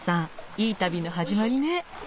いい旅の始まりね